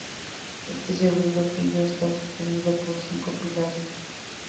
Este segundo piso está sostenido por cinco pilares.